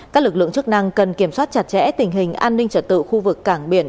các lực lượng chức năng cần kiểm soát chặt chẽ tình hình an ninh trật tự khu vực cảng biển